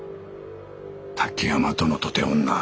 滝山殿とて女。